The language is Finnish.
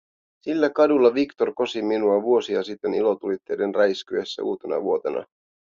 Sillä kadulla Victor kosi minua vuosia sitten ilotulitteiden räiskyessä uutenavuotena.